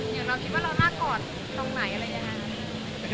หยุดนะคิดว่าเราน่ากอดตรงไหนอะไรอย่างนี้